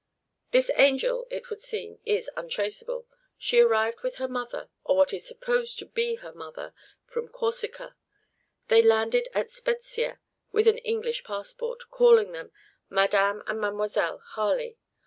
"This angel, it would seem, is untraceable. She arrived with her mother, or what is supposed to be her mother, from Corsica; they landed at Spezzia, with an English passport, calling them Madame and Mademoiselle Harley.